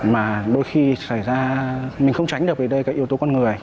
mà đôi khi xảy ra mình không tránh được về đây các yếu tố con người